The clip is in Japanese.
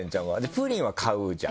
プリンは買うじゃん。